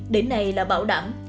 đến nay là bảo đảm